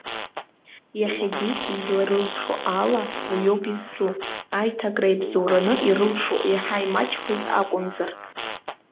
Иахьагьы изларылшо ала уиоуп изҿу, аиҭакра иабзоураны, ирылшо иаҳа имаҷхеит акәымзар.